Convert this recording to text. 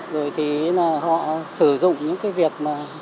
rồi thì là họ sử dụng những cái việc